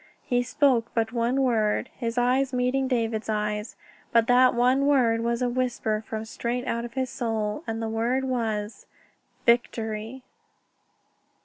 He spoke but one word, his eyes meeting David's eyes, but that one word was a whisper from straight out of his soul, and the word was: "_Victory!